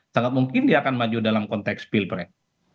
sangat mungkin dia akan maju dalam konteks pilpres